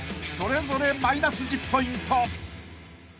［それぞれマイナス１０ポイント］